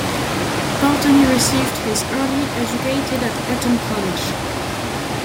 Pulteney received his early educated at Eton College.